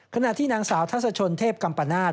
ขณะที่นางสาวทัศชนเทพกัมปนาศ